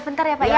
bentar ya pak ya